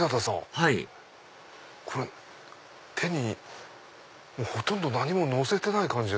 はいこれ手にほとんど何も乗せてない感じ。